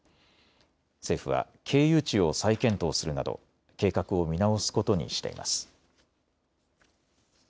政府は経由地を再検討するなど計画を見直すことにしています。